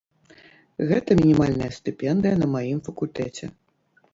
Гэта мінімальная стыпендыя на маім факультэце.